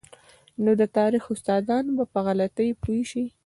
نو د تاریخ استادان به په غلطۍ پوه شي.